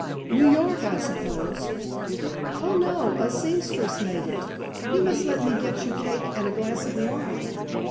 New York, I suppose " "Oh, no, a seamstress made it. You must let me get you cake and a glass of wine."